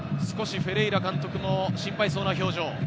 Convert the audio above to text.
少しフェレイラ監督も心配そうな表情。